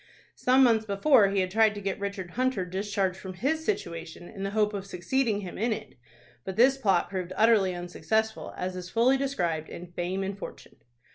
Some months before he had tried to get Richard Hunter discharged from his situation in the hope of succeeding him in it; but this plot proved utterly unsuccessful, as is fully described in "Fame and Fortune."